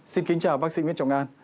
xin kính chào bác sĩ nguyễn trọng an